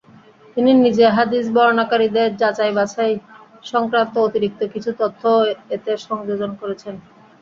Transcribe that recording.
তিনি নিজে হাদীস বর্ণনাকারীদের যাচাই-বাছাই সংক্রান্ত অতিরিক্ত কিছু তথ্যও এতে সংযোজন করেছেন।